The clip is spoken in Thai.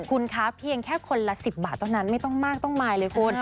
คุณคะเพียงแค่คนละ๑๐บาทเท่านั้นไม่ต้องมากต้องมายเลยคุณ